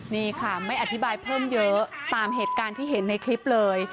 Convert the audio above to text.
นี่ค่ะไม่อธิบายเพิ่มเยอะตามเหตุการณ์ที่เห็นในคลิปเลย